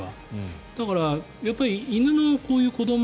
だから、やっぱり犬のこういう子ども。